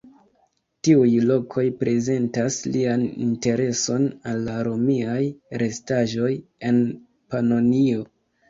Tiuj lokoj prezentas lian intereson al la romiaj restaĵoj en Panonio.